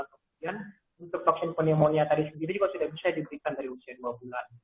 kemudian untuk vaksin pneumonia tadi sendiri juga tidak bisa diberikan dari usia dua bulan